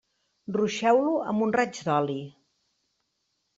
Ruixeu-lo amb un raig d'oli.